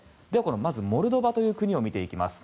まずモルドバという国を見ていきます。